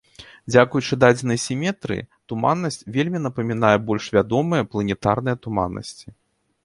Дзякуючы дадзенай сіметрыі туманнасць вельмі напамінае больш вядомыя планетарныя туманнасці.